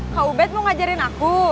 kak ubed mau ngajarin aku